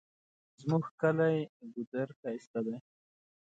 زمونږ کلی ګودر ښایسته ده